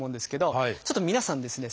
ちょっと皆さんですね